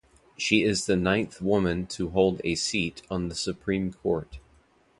She is the ninth woman to hold a seat on the Supreme Court.